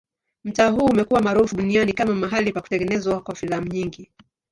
Mtaa huu umekuwa maarufu duniani kama mahali pa kutengenezwa kwa filamu nyingi.